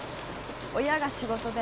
親が仕事で